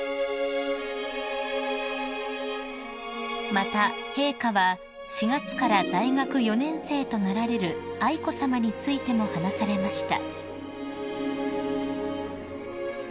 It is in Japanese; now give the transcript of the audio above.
［また陛下は４月から大学４年生となられる愛子さまについても話されました］